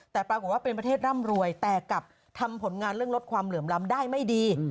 แต่ปรากฏว่าเป็นประเทศร่ำรวยแต่กลับทำผลงานเรื่องลดความเหลื่อมล้ำได้ไม่ดี